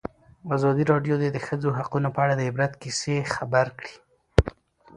ازادي راډیو د د ښځو حقونه په اړه د عبرت کیسې خبر کړي.